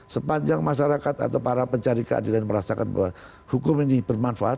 sepanjang masyarakat atau para pencari keadilan merasakan bahwa hukum ini bermanfaat